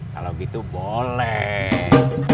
kalo gitu boleh